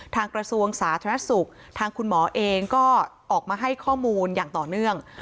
กระทรวงสาธารณสุขทางคุณหมอเองก็ออกมาให้ข้อมูลอย่างต่อเนื่อง